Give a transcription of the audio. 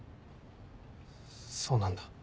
そうなんだ。